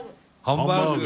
ハンバーグ。